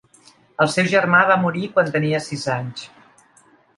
El seu germà va morir quan tenia sis anys.